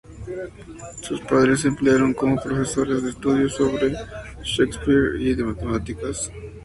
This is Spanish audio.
Sus padres se emplearon como profesores de Estudios sobre Shakespeare y de matemáticas.